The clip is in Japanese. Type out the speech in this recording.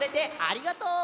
ありがとう！